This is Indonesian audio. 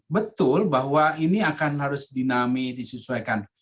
betul bahwa ini akan harus dinami disesuaikan